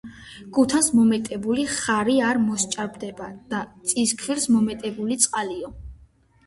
გუთანს მომეტებული ხარი არ მოსჭარბდება და წისქვილს - მომეტებული წყალიო